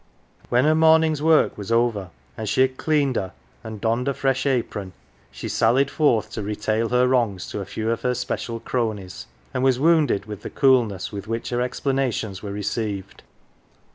When her morning's work was over, and she had "cleaned her" and donned a fresh apron, she sallied 126 "THE GILLY F'ERS" forth to retail her wrongs to a few of her special cronies, and was wounded with the coolness with which her explanations were received.